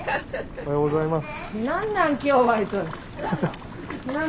おはようございます。